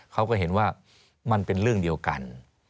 เขาก็เห็นว่ามันเป็นเรื่องเดียวกัน